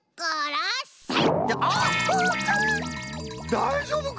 だいじょうぶか！？